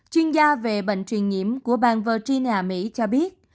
chuyên gia về bệnh truyền nhiễm của bang vertina mỹ cho biết